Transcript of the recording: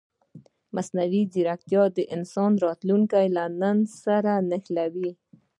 مصنوعي ځیرکتیا د انسان راتلونکی له نن سره نښلوي.